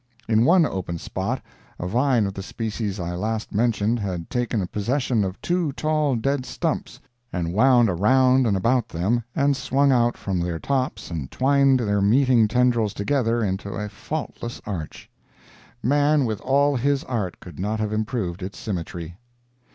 In one open spot a vine of the species I last mentioned had taken possession of two tall dead stumps and wound around and about them, and swung out from their tops and twined their meeting tendrils together into a faultless arch. Man, with all his art, could not have improved its symmetry.